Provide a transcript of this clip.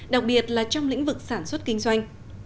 đặc biệt là trong lĩnh vực sản xuất kinh doanh